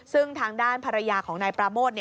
ซึ่งทางด้านภรรยาของนายปราโมท